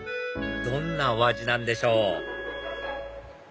どんなお味なんでしょう？